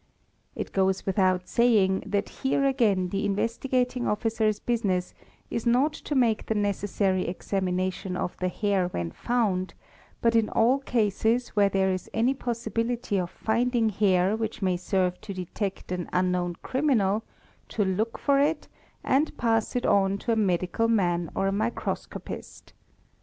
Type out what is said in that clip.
It goes without saying that here again the Investigating Officer's business is not to make the necessary examination of the hair when found, but in all cases where there is any possibility of finding hair which may serve to detect an unknown criminal, to look for it and pass it on to a medical man or a microscopist.